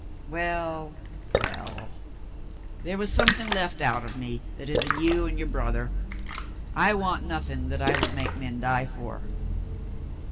Well, well! There was something left out of me that is in you and your brother. I want nothing that I would make men die for."